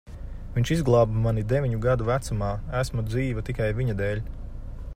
Viņš izglāba mani deviņu gadu vecumā. Esmu dzīva tikai viņa dēļ.